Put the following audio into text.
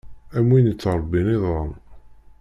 Am win ittṛebbin iḍan.